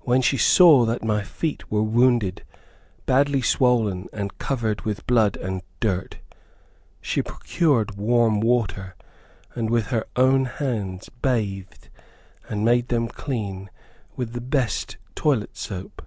When she saw that my feet were wounded, badly swollen, and covered with blood and dirt, she procured warm water, and with her own hands bathed, and made them clean, with the best toilet soap.